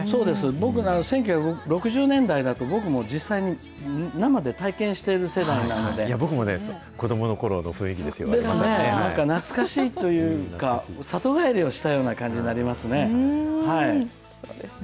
僕は１９６０年代だと僕も実際に僕も子どものころの雰囲気でなんか懐かしいというか、里帰りをしたような感じになりますね。